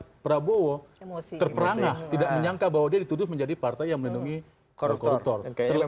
membuat prabowo terperanah tidak menyangka bahwa dia dituduh menjadi partai yang melindungi koruptor